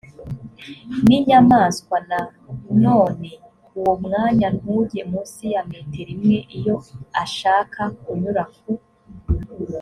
n inyamaswa na none uwo mwanya ntujye munsi ya metero imwe iyo ashaka kunyura ku